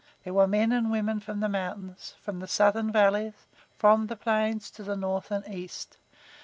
There were men and women from the mountains, from the southern valleys, from the plains to the north and east.